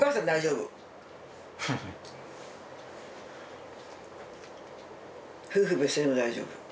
夫婦別姓でも大丈夫。